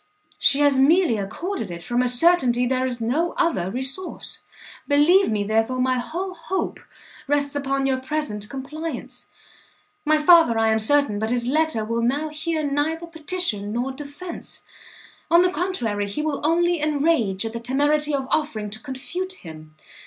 "She has merely accorded it from a certainty there is no other resource. Believe me, therefore, my whole hope rests upon your present compliance. My father, I am certain, by his letter, will now hear neither petition nor defence; on the contrary, he will only enrage at the temerity of offering to confute him.